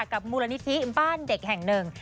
กับมูลนิธิบ้านเด็กแห่งหนึ่ง